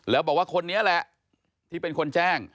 แล้วบอกว่าคนนี้แหละที่เป็นคนแจ้ง